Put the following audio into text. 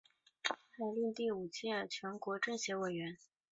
他还任第五届全国政协委员。